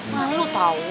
nah lo tau